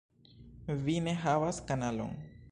Vi ne havas kanalon